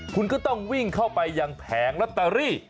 คุณก็ต้องวิ่งเข้าไปยังแผงลอตเตอรี่